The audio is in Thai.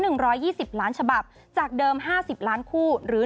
ร้อยยี่สิบล้านฉบับจากเดิมห้าสิบล้านคู่หรือ